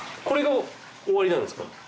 これが終わりなんですか？